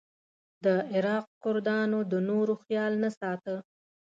د عراق کردانو د نورو خیال نه ساته.